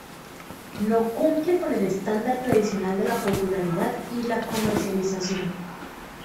No cumple con el estándar tradicional de la popularidad y la comercialización.